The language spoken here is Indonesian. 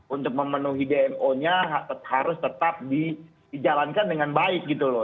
untuk memenuhi dmo nya harus tetap dijalankan dengan baik gitu loh